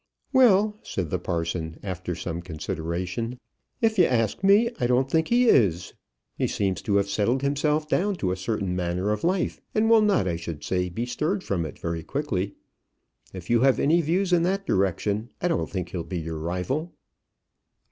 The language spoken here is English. "Well," said the parson, after some consideration, "if you ask me, I don't think he is. He seems to have settled himself down to a certain manner of life, and will not, I should say, be stirred from it very quickly. If you have any views in that direction, I don't think he'll be your rival."